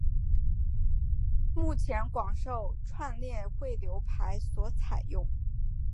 目前广受串列汇流排所采用。